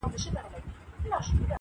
ما دفن کړه د دې کلي هدیره کي.